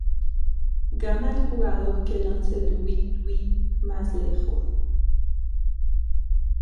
Gana el jugador que lanza el weet-weet más lejos.